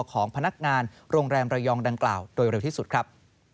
ของพนักงานโรงแรมระยองดังกล่าวโดยเร็วที่สุดครับ